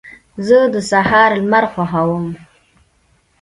زه د سهار لمر خوښوم.